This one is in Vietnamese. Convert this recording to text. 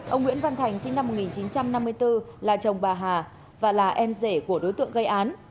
ông nguyễn văn thành sinh năm một nghìn chín trăm năm mươi bốn là chồng bà hà và là em rể của đối tượng gây án